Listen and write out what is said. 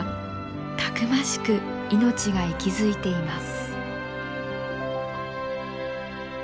たくましく命が息づいています。